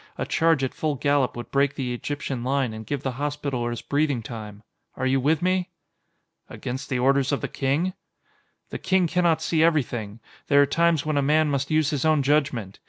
A charge at full gallop would break the Egyptian line and give the Hospitallers breathing time. Are you with me?" "Against the orders of the King?" "The King cannot see everything! There are times when a man must use his own judgment!